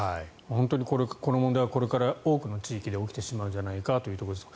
本当にこの問題はこれから多くの地域で起きてしまうんじゃないかというところです。